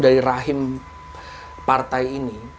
dari rahim partai ini